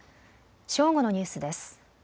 正午のニュースです。